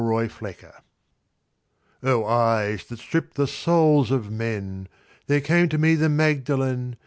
MARY MAGDALEN O eyes that strip the souls of men! There came to me the Magdalen.